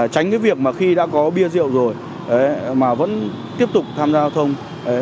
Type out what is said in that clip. tránh cái việc mà khi đã có bia rượu rồi mà vẫn tiếp tục tham gia giao thông